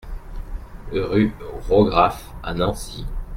Rue Raugraff à Nancy